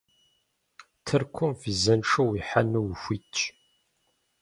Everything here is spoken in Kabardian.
Тыркум визэншэу уихьэну ухуитщ.